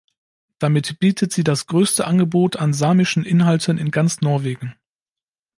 Damit bietet sie das größte Angebot an samischen Inhalten in ganz Norwegen.